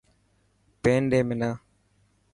پين ڏي منا.